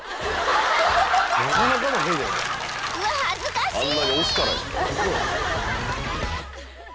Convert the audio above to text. ［うわっ恥ずかしい！］